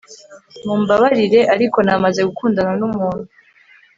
Mumbabarire ariko namaze gukundana numuntu